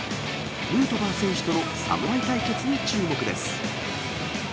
ヌートバー選手との侍対決に注目です。